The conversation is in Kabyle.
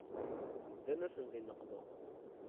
Ddan-asen di nneqma.